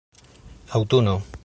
aŭtuno